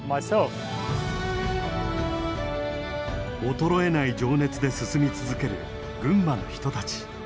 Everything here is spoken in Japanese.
衰えない情熱で進み続ける群馬の人たち。